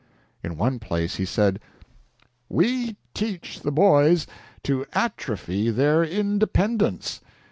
In one place he said: "We teach the boys to atrophy their independence.